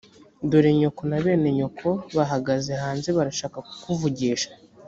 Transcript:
dore nyoko na bene nyoko bahagaze hanze barashaka kukuvugisha